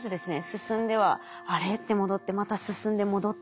進んでは「あれ？」って戻ってまた進んで戻って。